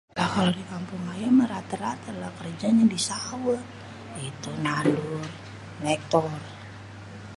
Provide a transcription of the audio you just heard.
kalo di kampung ayé mah rata-rata lah kerjanya di sawéh.. itu nandur, nréktor (bajak)..